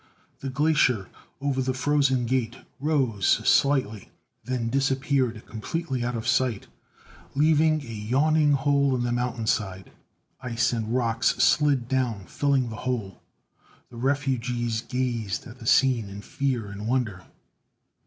The glacier over the Frozen Gate rose slightly, then disappeared completely out of sight, leaving a yawning hole in the mountainside. Ice and rocks slid down, filling the hole. The refugees gazed at the scene in fear and wonder.